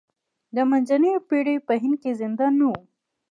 د منځنیو پېړیو په هند کې زندان نه و.